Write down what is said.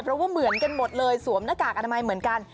เพราะว่าเหมือนกันหมดเลยสวมหน้ากากอนามัยเหมือนกัน